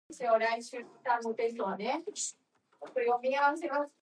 The party participated in elections to a number of Valencian city councils.